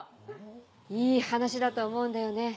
いい話だと思うんだよね。